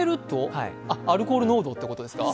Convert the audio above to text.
アルコール濃度ってことですか？